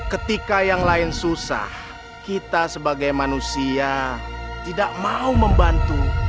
ketika yang lain susah kita sebagai manusia tidak mau membantu